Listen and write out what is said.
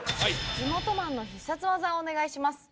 地元マンの必殺技をお願いします。